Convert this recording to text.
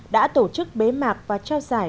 đã tổ chức bế mạc và trao giải